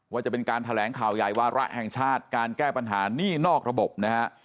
ว่าจะเป็นการแถลงข่าวใหญ่วาระแห่งชาติการแก้ปัญหานี่นอกระบบนะฮะ